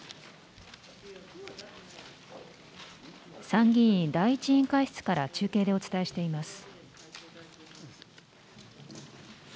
参議院第１委員会室から中継でお伝えしています。